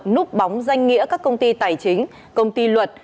núp bóng danh nghĩa các công ty tài chính công ty luật